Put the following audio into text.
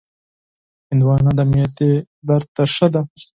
هندوانه د معدې درد ته ښه ده.